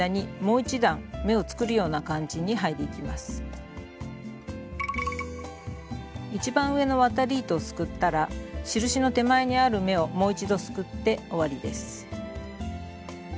一番上の渡り糸をすくったら印の手前にある目をもう一度すくって終わりです。